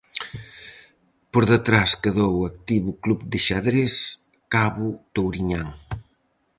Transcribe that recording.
Por detrás quedou o activo club de xadrez Cabo Touriñán.